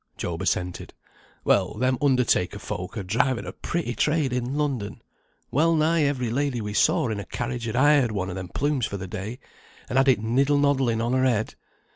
Job assented. "Well, them undertaker folk are driving a pretty trade in London. Wellnigh every lady we saw in a carriage had hired one o' them plumes for the day, and had it niddle noddling on her head.